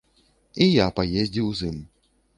І я паездзіў з ім.